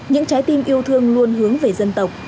những trái tim yêu thương luôn hướng về dân tộc